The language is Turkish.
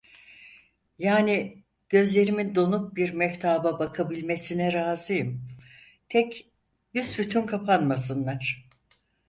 Yani, gözlerimin donuk bir mehtaba bakabilmesine razıyım, tek büsbütün kapanmasınlar.